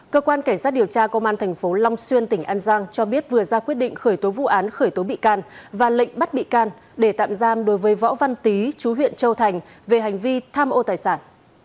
cơ quan cảnh sát điều tra công an tp long xuyên tỉnh an giang cho biết vừa ra quyết định khởi tố vụ án khởi tố bị can và lệnh bắt bị can để tạm giam đối với võ văn tý chú huyện châu thành về hành vi tham ô tài sản